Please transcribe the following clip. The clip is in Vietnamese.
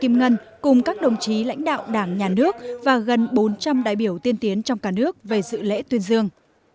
chủ tịch quốc hội nguyễn thị kim ngân cùng các đồng chí lãnh đạo đảng nhà nước và gần bốn trăm linh đại biểu tiên tiến trong cả nước về dự lễ tuyên dương